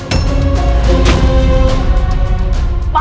paman pasti berbohong